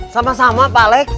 sama sama pak lek